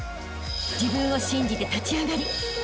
［自分を信じて立ち上がりあしたへ